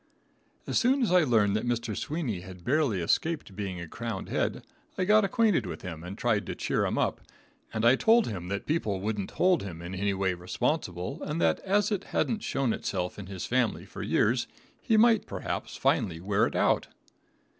As soon as I learned that Mr. Sweeney had barely escaped being a crowned head, I got acquainted with him and tried to cheer him up, and I told him that people wouldn't hold him in any way responsible, and that as it hadn't shown itself in his family for years he might perhaps finally wear it out.